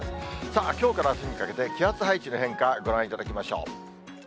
さあ、きょうからあすにかけて、気圧配置の変化、ご覧いただきましょう。